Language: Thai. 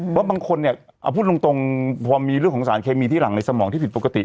เพราะบางคนเนี่ยเอาพูดตรงพอมีเรื่องของสารเคมีที่หลังในสมองที่ผิดปกติ